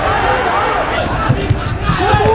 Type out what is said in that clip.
สวัสดีครับทุกคน